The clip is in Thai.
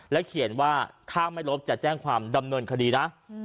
เขียนว่าถ้าไม่ลบจะแจ้งความดำเนินคดีนะ